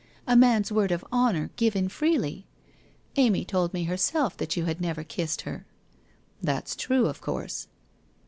A man's word of honour given freely! Amy told me herself that you had never kissed her.' ' That's true, of course.'